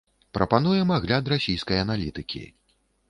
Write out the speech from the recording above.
Прапануем агляд расійскай аналітыкі.